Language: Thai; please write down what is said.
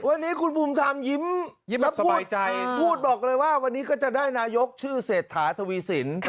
วันนี้คุณภูมิธรรมยิ้มแล้วพูดพูดบอกเลยว่าวันนี้ก็จะได้นายกชื่อเศรษฐาทวีสิน